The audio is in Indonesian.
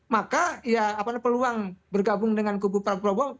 maka ya peluang bergabung dengan kubu prabowo